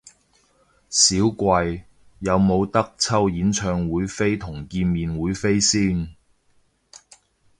少貴，有無得抽演唱會同見面會飛先？